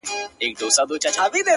• په یو نظر کي مي د سترگو په لړم نیسې؛